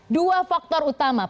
dua faktor utama